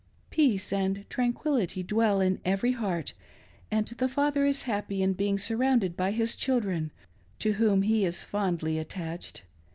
Peace and tranquility dwell in every heart, and the father is happy in being surroiinded by his children, to whom he is fondly attached.